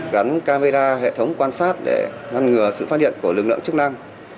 gắn camera hệ thống quan sát để ngăn ngừa sự phát hiện của lực lượng chức năng